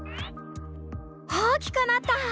大きくなった！